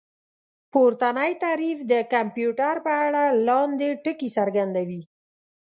پورتنی تعريف د کمپيوټر په اړه لاندې ټکي څرګندوي